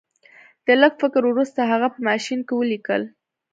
د لږ فکر وروسته هغه په ماشین کې ولیکل